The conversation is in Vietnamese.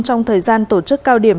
trong thời gian tổ chức cao điểm